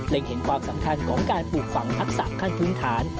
เห็นความสำคัญของการปลูกฝังทักษะขั้นพื้นฐาน